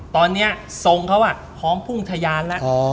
ตอนนี้ส่งเขาอะค้องฟุ่มทรยานละ